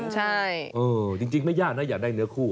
ใช่จริงไม่ยากนะอยากได้เนื้อคู่